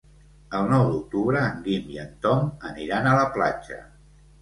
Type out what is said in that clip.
El nou d'octubre en Guim i en Tom aniran a la platja.